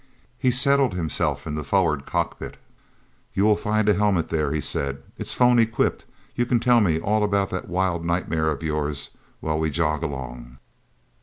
He settled himself in the forward cockpit. "You will find a helmet there," he said. "It's phone equipped; you can tell me all about that wild nightmare of yours while we jog along."